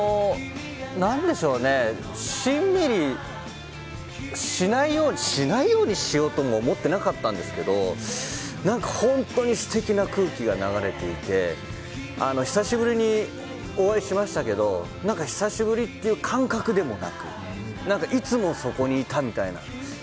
しんみりしないようにしようとも思ってなかったんですけど本当に素敵な空気が流れていて久しぶりにお会いしましたけど何か久しぶりという感覚でもなくいつも、そこにいたみたいな。